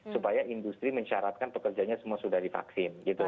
supaya industri mensyaratkan pekerjanya semua sudah divaksin